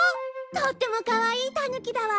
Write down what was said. とってもかわいいタヌキだわ。